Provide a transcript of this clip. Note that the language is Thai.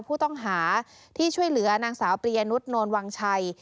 ผู้ต้องหาที่ช่วยเหลือนางสาวปริยนุษย์โนนวังชัย